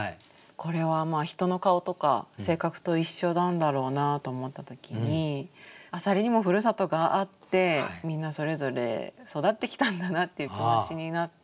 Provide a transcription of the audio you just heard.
これはまあ人の顔とか性格と一緒なんだろうなと思った時にあさりにもふるさとがあってみんなそれぞれ育ってきたんだなっていう気持ちになって。